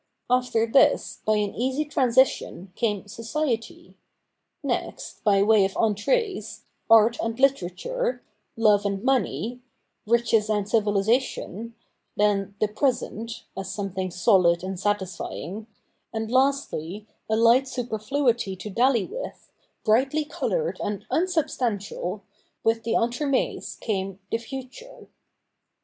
After this, by an easy transition, came ' Society ': next by way of entrees, 'Art and Literature,' ' Love and Money,' ' Riches and Civilisation ': then ' The Present,' as some thing solid and satisfying ; and lastly, a light superfluity to dally with, brightly coloured and unsubstantial, with the entrefnets came 'The Future.'